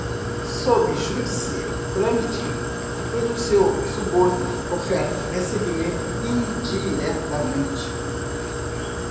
sub judice, trâmite, pronunciou, suborno, oferta, recebimento, indiretamente